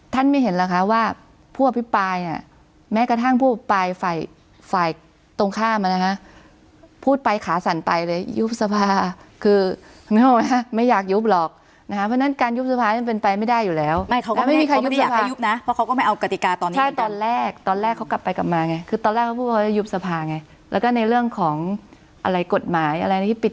ไม่เห็นหรอกคะว่าผู้อภิปรายเนี่ยแม้กระทั่งผู้อภิปรายฝ่ายฝ่ายตรงข้ามอ่ะนะคะพูดไปขาสั่นไปเลยยุบสภาคือนึกออกไหมไม่อยากยุบหรอกนะคะเพราะฉะนั้นการยุบสภามันเป็นไปไม่ได้อยู่แล้วไม่เขาก็ไม่มีใครไม่ได้อยากให้ยุบนะเพราะเขาก็ไม่เอากติกาตอนนี้ตอนแรกตอนแรกเขากลับไปกลับมาไงคือตอนแรกเขาพูดว่ายุบสภาไงแล้วก็ในเรื่องของอะไรกฎหมายอะไรที่ปิด